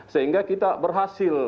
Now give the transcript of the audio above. sehingga kita berhasil